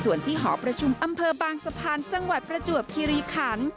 ส่วนที่หอประชุมอำเภอบางสะพานจังหวัดประจวบคิริขัน